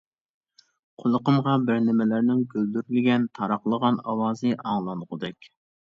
قۇلىقىمغا بىرنېمىلەرنىڭ گۈلدۈرلىگەن، تاراقلىغان ئاۋازى ئاڭلانغۇدەك.